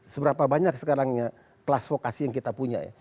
seberapa banyak sekarangnya kelas vokasi yang kita punya ya